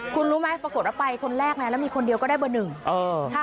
คุณรู้ไหมปรากฏว่าไปคนแรกนะแล้วมีคนเดียวก็ได้เบอร์หนึ่ง